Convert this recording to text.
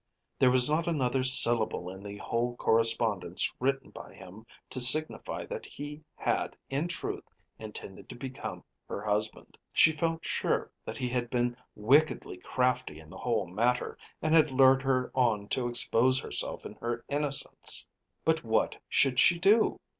There was not another syllable in the whole correspondence written by him to signify that he had in truth intended to become her husband. She felt sure that he had been wickedly crafty in the whole matter, and had lured her on to expose herself in her innocence. But what should she do?